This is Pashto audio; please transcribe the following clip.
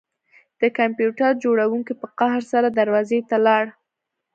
د کمپیوټر جوړونکي په قهر سره دروازې ته لاړ